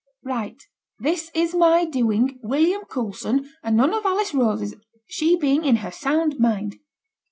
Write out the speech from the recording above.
Write, "This is my doing, William Coulson, and none of Alice Rose's, she being in her sound mind."'